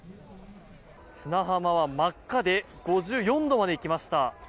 砂浜は真っ赤で５４度まで行きました。